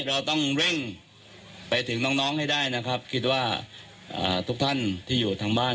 เราต้องเร่งไปถึงน้องให้ได้นะครับคิดว่าทุกท่านที่อยู่ทางบ้าน